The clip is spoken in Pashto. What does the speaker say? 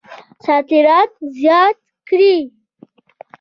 صادرات زیات کړئ